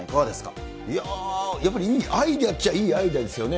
いやー、やっぱりいいアイデアっちゃいいアイデアですよね。